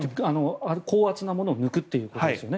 高圧のものを抜くということですね。